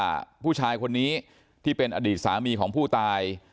ว่าผู้ชายคนนี้ที่เป็นอดีตสามีของผู้ตาย